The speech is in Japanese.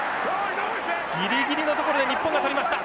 ギリギリのところで日本が捕りました。